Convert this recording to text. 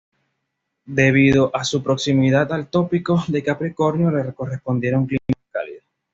Debido a su proximidad al Trópico de Capricornio le correspondería un clima más cálido.